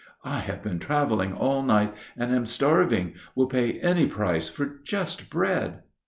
"I have been traveling all night, and am starving; will pay any price for just bread."